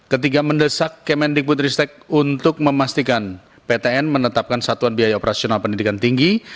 tiga mendesak kementerian kementerian kementerian tristek ri untuk memastikan ptn menetapkan satuan biaya operasional pendidikan tinggi